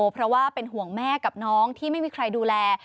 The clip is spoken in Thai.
เพราะว่าเป็นห่วงแม่กับน้องที่ไม่มีใครดูแล